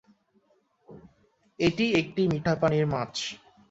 এটি একটি মিঠা পানির মাছ।